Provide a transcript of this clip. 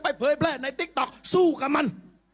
เผยแพร่ในติ๊กต๊อกสู้กับมัน